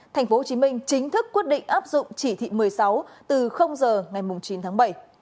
thành phố hồ chí minh chính thức quyết định áp dụng chỉ thị một mươi sáu từ giờ ngày chín tháng bảy